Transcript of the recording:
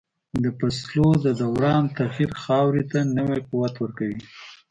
د فصلو د دوران تغییر خاورې ته نوی قوت ورکوي.